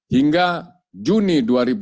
hingga juni dua ribu dua puluh